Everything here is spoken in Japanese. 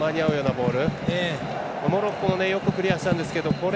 モロッコもよくクリアしたんですけどこれ、